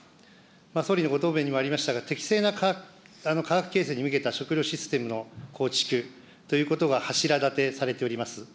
総理のご答弁にもありましたが、適正な価格形成に向けた食料システムの構築ということが柱立てされております。